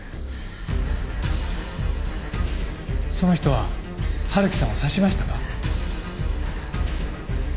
その人は春樹さんを刺しましたか？